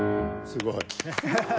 すごい。